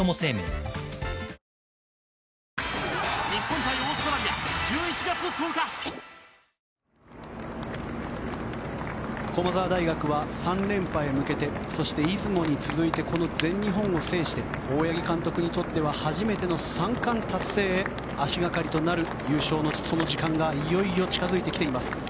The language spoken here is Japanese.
「お椀で食べるシリーズ」駒澤大学は３連覇へ向けてそして出雲に続いてこの全日本を制して大八木監督にとっては初めての３冠達成へ足掛かりとなる優勝のその時間がいよいよ近付いてきています。